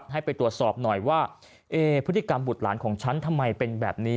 ให้ไปตรวจสอบหน่อยว่าเอ๊พฤติกรรมบุตรหลานของฉันทำไมเป็นแบบนี้